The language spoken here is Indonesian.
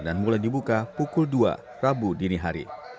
dan mulai dibuka pukul dua rabu dini hari